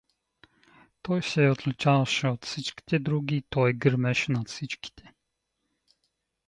Той се отличаваше от всичките други, той гърмеше над всичките.